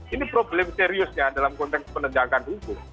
ini problem seriusnya dalam konteks penegakan hukum